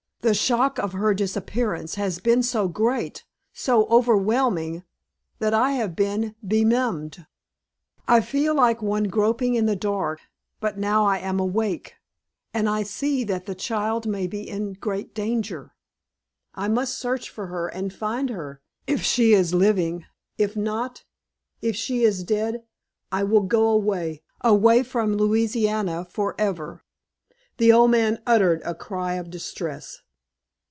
The shock of her disappearance has been so great so overwhelming that I have been benumbed. I feel like one groping in the dark, but now I am awake, and I see that the child may be in great danger. I must search for her, and find her, if she is living; if not if she is dead I will go away away from Louisiana forever." The old man uttered a cry of distress.